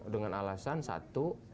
dengan alasan satu